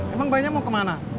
emang bayinya mau kemana